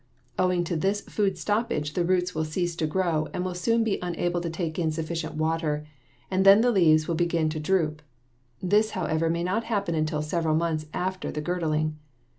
Owing to this food stoppage the roots will cease to grow and will soon be unable to take in sufficient water, and then the leaves will begin to droop. This, however, may not happen until several months after the girdling.